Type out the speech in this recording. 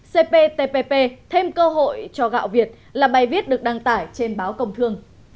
cptpp thêm cơ hội cho gạo việt là bài viết được đăng tải trên báo công thương